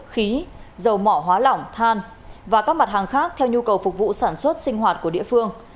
khí dầu mỏ hóa lỏng than và các mặt hàng khác theo nhu cầu phục vụ sản xuất sinh hoạt của địa phương